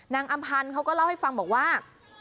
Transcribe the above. อำพันธ์เขาก็เล่าให้ฟังบอกว่า